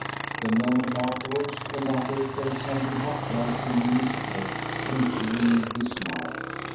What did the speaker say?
The moment afterwards the latter felt something hot rising. in his throat and filling his mouth.